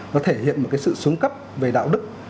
nó thể hiện một cái sự xuống cấp về đạo đức